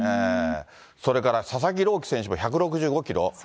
それから佐々木朗希選手も、１６５キロ。